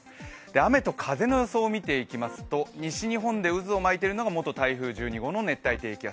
雨と風の予想を見ていきますと、西日本で渦を巻いているのが元台風１２号の熱帯低気圧。